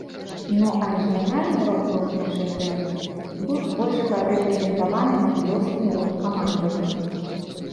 Ну а рэгіянальны рок-рух нашай краіны быў збольшага рэпрэзентаваны магілёўскімі рок-камандамі.